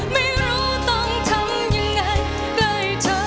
ไม่รู้ต้องทำยังไงใกล้เธอ